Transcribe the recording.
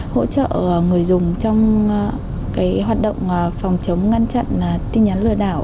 hỗ trợ người dùng trong hoạt động phòng chống ngăn chặn tin nhắn lừa đảo